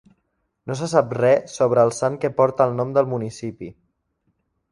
No se sap res sobre el sant que porta el nom del municipi.